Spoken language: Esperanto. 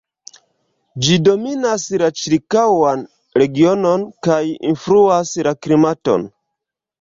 Ĝi dominas la ĉirkaŭan regionon kaj influas la klimaton.